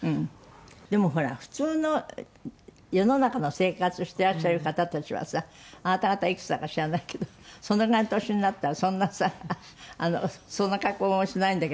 でもほら普通の世の中の生活していらっしゃる方たちはさあなた方いくつだか知らないけどそのぐらいの年になったらそんなさそんな格好もしないんだけど。